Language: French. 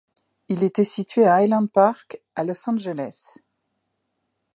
Il était situé à Highland Park à Los Angeles.